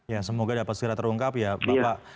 ya semoga dapat segera terungkap ya bapak